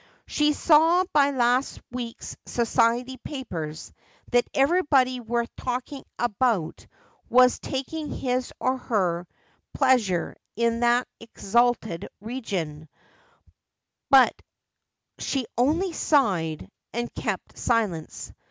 She saw by last week's ' society papers' that everybody worth talking about was taking his or her plea sure in that exalted region ; but she only sighed and kept 340 Asphodel. silence.